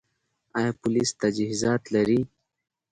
آیا پولیس تجهیزات لري؟